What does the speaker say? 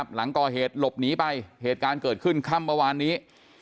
หลังก่อเหตุหลบหนีไปเหตุการณ์เกิดขึ้นค่ำเมื่อวานนี้